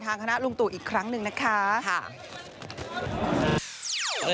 คณะลุงตู่อีกครั้งหนึ่งนะคะ